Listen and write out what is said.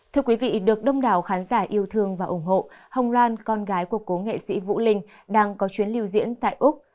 thưa quý vị được đông đảo khán giả yêu thương và ủng hộ hồng loan con gái của cố nghệ sĩ vũ linh đang có chuyến lưu diễn tại úc